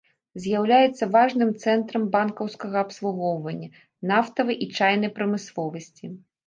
З'яўляецца важным цэнтрам банкаўскага абслугоўвання, нафтавай і чайнай прамысловасці.